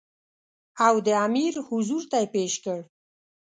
او د امیر حضور ته یې پېش کړ.